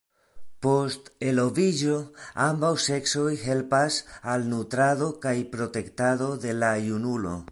Post eloviĝo, ambaŭ seksoj helpas al nutrado kaj protektado de la junulo.